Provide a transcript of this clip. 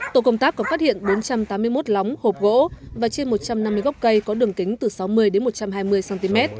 tổ công tác còn phát hiện bốn trăm tám mươi một lóng hộp gỗ và trên một trăm năm mươi gốc cây có đường kính từ sáu mươi một trăm hai mươi cm